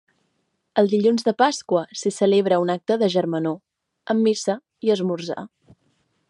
El Dilluns de Pasqua s'hi celebra un acte de germanor, amb missa i esmorzar.